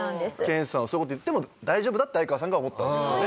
研さんはそういう事言っても大丈夫だって愛川さんが思ったんですよね。